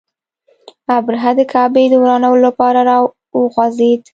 ابرهه د کعبې د ورانولو لپاره را وخوځېد.